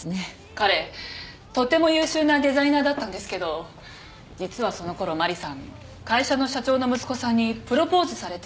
彼とても優秀なデザイナーだったんですけど実はそのころマリさん会社の社長の息子さんにプロポーズされて。